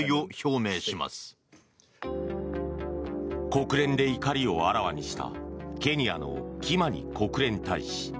国連で怒りをあらわにしたケニアのキマニ国連大使。